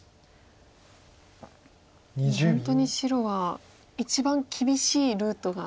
でも本当に白は一番厳しいルートで。